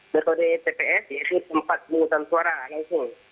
metode tps yaitu tempat pemungutan suara langsung